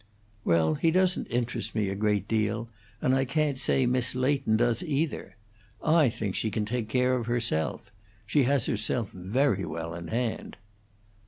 "Well, he doesn't interest me a great deal, and I can't say Miss Leighton does, either. I think she can take care of herself. She has herself very well in hand."